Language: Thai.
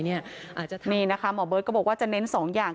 นี่นะคะหมอเบิร์ตก็บอกว่าจะเน้น๒อย่าง